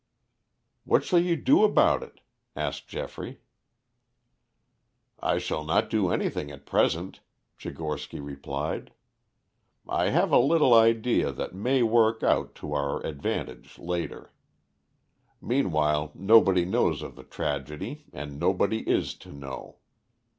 "What shall you do about it?" asked Geoffrey. "I shall not do anything at present," Tchigorsky replied. "I have a little idea that may work out to our advantage later. Meanwhile nobody knows of the tragedy and nobody is to know.